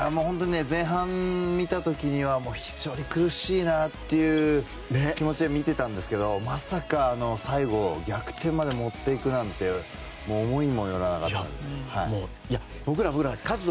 前半を見た時は非常に苦しいなという気持ちで見ていたんですけどまさか最後逆転まで持っていくなんて思いもよらなかったです。